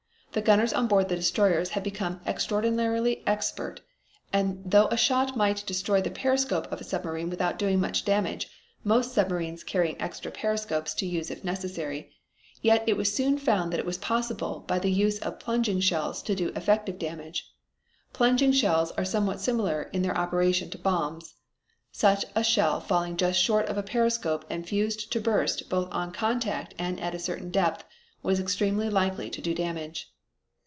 The gunners on board the destroyers had become extraordinarily expert, and though a shot might destroy the periscope of a submarine without doing much damage, most submarines carrying extra periscopes to use if necessary, yet it was soon found that it was possible by the use of plunging shells to do effective damage. Plunging shells are somewhat similar in their operation to bombs. Such a shell falling just short of a periscope and fused to burst both on contact and at a certain depth was extremely likely to do damage.